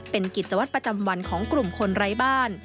เป็นกิจวัตรประจำวันของกลุ่มคนไร้บ้าน